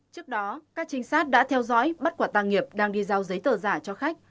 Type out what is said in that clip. trước đó các trinh sát đã theo dõi bắt quả tàng nghiệp đang đi giao giấy tờ giả cho khách